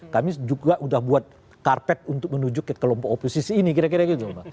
kami juga sudah buat karpet untuk menuju ke kelompok oposisi ini kira kira gitu